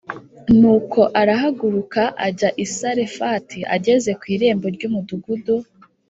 Nuko arahaguruka ajya i Sarefati Ageze ku irembo ry’umudugudu